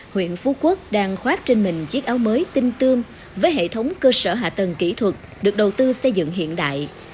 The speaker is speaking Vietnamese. huyện phú quốc đang khoác trên mình chiếc áo mới tinh tương với hệ thống cơ sở hạ tầng kỹ thuật được đầu tư xây dựng hiện đại